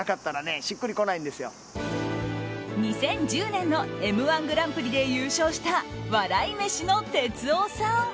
２０１０年の「Ｍ‐１グランプリ」で優勝した笑い飯の哲夫さん。